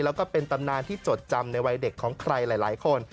แล้วก็เป็นตำนานที่จดจำในวัยเด็กของใครหลายคน